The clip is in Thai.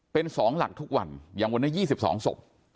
เป็น๒หลักทุกวันอย่างวันนี้๒๒ศพ